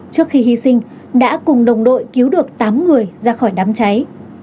trước khi hy sinh đã cùng đồng đội cứu được tám người ra khỏi đám cháy